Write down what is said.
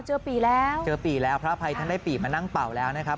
เจอปี่แล้วเจอปี่แล้วพระอภัยท่านได้ปีมานั่งเป่าแล้วนะครับ